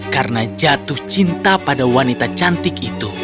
karena jatuh cinta pada wanita cantik itu